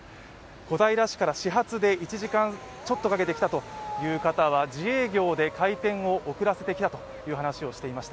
小平市から始発で１時間ちょっとかけてきたという方は、自営業で開店を遅らせて来たということです。